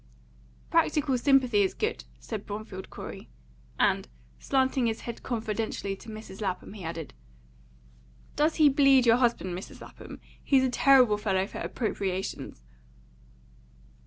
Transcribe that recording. "Practical sympathy is good," said Bromfield Corey; and, slanting his head confidentially to Mrs. Lapham, he added, "Does he bleed your husband, Mrs. Lapham? He's a terrible fellow for appropriations!"